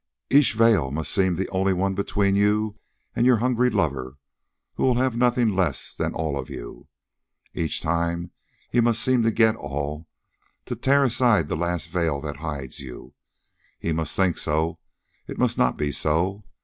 Each veil must seem the only one between you and your hungry lover who will have nothing less than all of you. Each time he must seem to get all, to tear aside the last veil that hides you. He must think so. It must not be so.